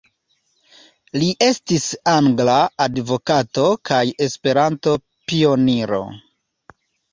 Li estis angla advokato kaj Esperanto-pioniro.